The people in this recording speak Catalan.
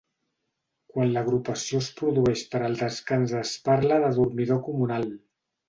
Quan l'agrupació es produeix per al descans es parla de dormidor comunal.